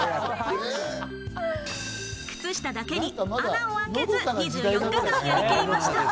靴下だけに穴をあけず、２４日間やりきりました。